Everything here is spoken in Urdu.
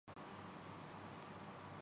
قوم کے ذہنوں میں۔